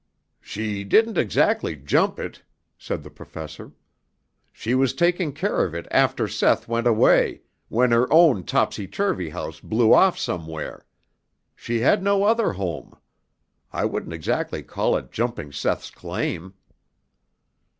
"She didn't exactly jump it," said the Professor. "She was taking care of it after Seth went away, when her own topsy turvy house blew off somewhere. She had no other home. I wouldn't exactly call it jumping Seth's claim."